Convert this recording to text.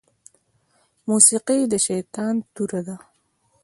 موسيقي د شيطان توره ده